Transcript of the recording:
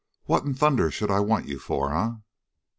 What in thunder should I want you for, eh?"